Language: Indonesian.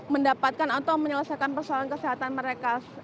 mendapatkan atau menyelesaikan persoalan kesehatan mereka